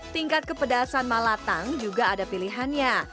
tingkat kepedasan malatang juga ada pilihannya